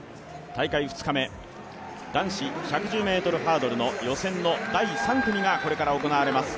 大会２日目、男子１１０ｍハードルの予選の第３組がこれから行われます。